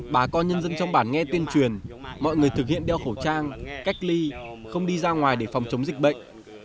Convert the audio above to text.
bà con nhân dân trong bản nghe tuyên truyền mọi người thực hiện đeo khẩu trang cách ly không đi ra ngoài để phòng chống dịch bệnh